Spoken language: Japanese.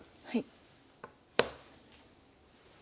はい。